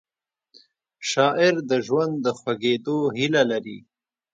شاعر د ژوند د خوږېدو هیله لري